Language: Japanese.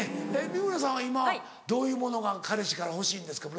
美村さんは今どういうものが彼氏から欲しいんですか？